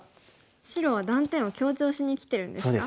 白は断点を強調しにきてるんですか？